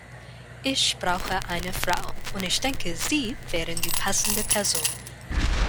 Ich brauche eine Frau und ich denke Sie wären die passende Person.